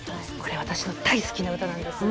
私も大好きな歌なんです。